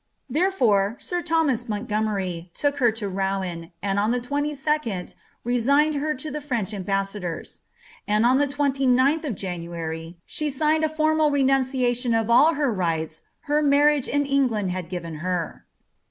Thenfore, iiir ThoniBS Montgomtr; took her to Rouen, and on the 22d resigned her to the French ambe» ssdnm; and on tlie 20tK of January she signed a formal lenunciation of all rights her marriage in England had given her.